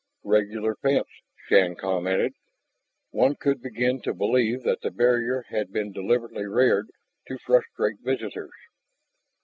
"Regular fence," Shann commented. One could begin to believe that the barrier had been deliberately reared to frustrate visitors.